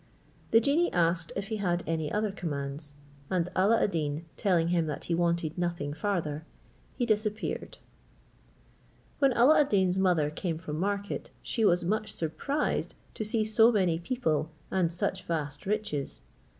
The genie asked if he had any other commands, and Alla ad Deen telling him that he wanted nothing farther, he disappeared. When Alla ad Deen's mother came from market, she was much surprised to see so many people and such vast riches.